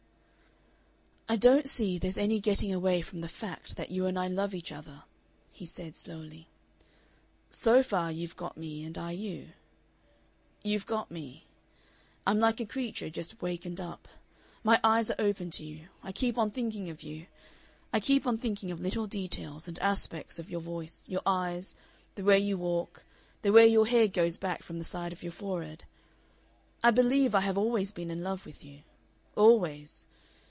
"I don't see there's any getting away from the fact that you and I love each other," he said, slowly. "So far you've got me and I you.... You've got me. I'm like a creature just wakened up. My eyes are open to you. I keep on thinking of you. I keep on thinking of little details and aspects of your voice, your eyes, the way you walk, the way your hair goes back from the side of your forehead. I believe I have always been in love with you. Always.